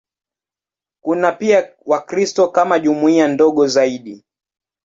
Kuna pia Wakristo kama jumuiya ndogo zaidi.